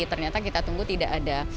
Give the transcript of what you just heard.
ternyata kita tunggu tidak ada